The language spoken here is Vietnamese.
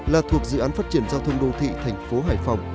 là thuộc dự án phát triển giao thông đô thị thành phố hải phòng